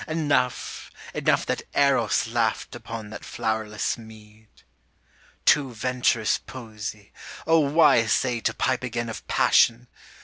Enough, enough that Eros laughed upon that flowerless mead. Too venturous poesy, O why essay To pipe again of passion!